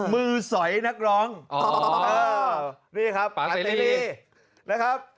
มือสอยนักร้องอ๋อนี่ครับปากเซรี่นะครับ